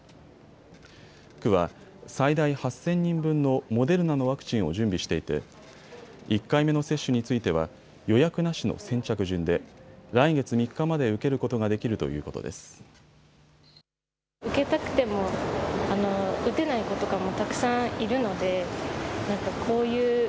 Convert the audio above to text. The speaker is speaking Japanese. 区は最大８０００人分のモデルナのワクチンを準備していて１回目の接種については予約なしの先着順で来月３日まで受けることができるということです。